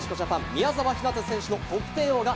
宮澤ひなた選手、得点王に。